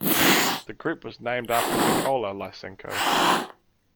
The group was named after Mykola Lysenko.